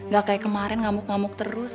gak kayak kemarin ngamuk ngamuk terus